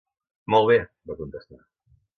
Molt bé, va contestar.